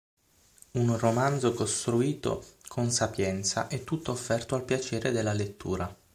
Un romanzo costruito con sapienza, e tutto offerto al piacere della lettura.